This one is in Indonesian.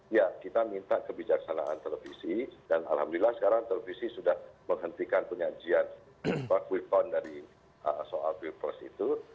ya kita minta kebijaksanaan televisi dan alhamdulillah sekarang televisi sudah menghentikan penyajian quick count dari soal pilpres itu